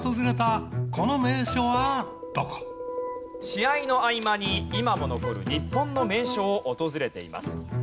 試合の合間に今も残る日本の名所を訪れています。